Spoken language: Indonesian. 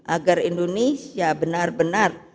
agar indonesia benar benar